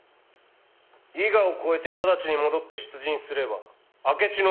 伊賀を越えて直ちに戻って出陣すれば明智の首は取れていた。